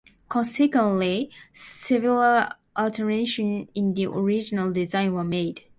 Consequently, several alterations in the original design were made.